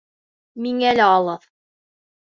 Миңә лә алыҫ.